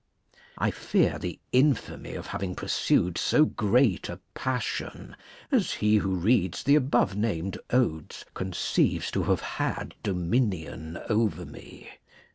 I fear the infamy of having pursued so great a passion as he who reads the above named odes conceives to have had ^^20] dominion over me.